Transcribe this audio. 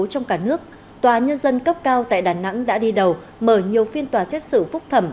trong cả nước tòa nhân dân cấp cao tại đà nẵng đã đi đầu mở nhiều phiên tòa xét xử phúc thẩm